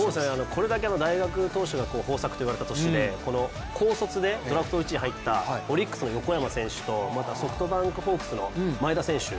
これだけの大学投手が豊作といわれた年で高卒でドラフト１位で入ったオリックスの横山選手と、ソフトバンクホークスの前田選手